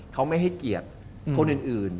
เขาไม่ให้เกียรติคนอื่น